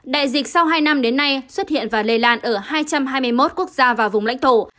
đại dịch sau hai năm đến nay xuất hiện và lây lan ở hai trăm hai mươi một quốc gia và vùng lãnh thổ